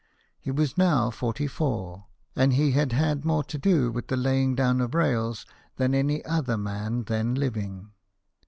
He was now forty four ; and he had had more to do with the laying down of rails than any other man then living.